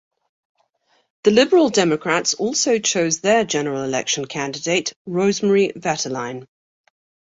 The Liberal Democrats also chose their general election candidate Rosemary Vetterlein.